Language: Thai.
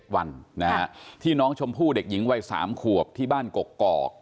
วันที่น้องชมพู่เด็กหญิงวัย๓ขวบที่บ้านกกอก